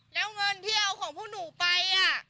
แล้วเงินที่เอาของพวกหนูไป